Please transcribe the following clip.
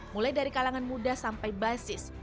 mulai dari kalangan muda sampai basis